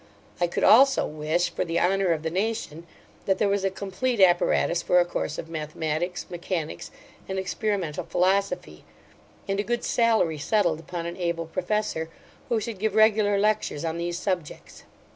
I could also wish, for the honour of the nation, that there was a complete apparatus for a course of mathematics, mechanics, and experimental philosophy; and a good salary settled upon an able professor, who should give regular lectures on these subjects.